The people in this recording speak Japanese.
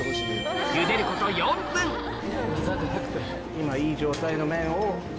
今いい状態の麺を。